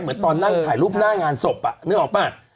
เหมือนตอนนั่งถ่ายรูปหน้างานศพนึกออกป่ะ